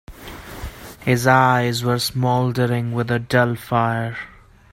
His eyes were smouldering with a dull fire.